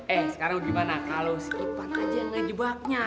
eh sekarang gimana kalau si ipan aja yang ngejebaknya